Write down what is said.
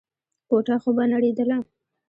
کوټه خو به نړېدله.